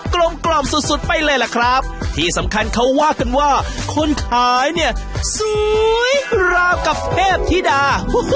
ลมกล่อมสุดสุดไปเลยล่ะครับที่สำคัญเขาว่ากันว่าคนขายเนี่ยสวยราวกับเทพธิดา